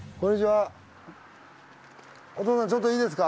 お父さんちょっといいですか？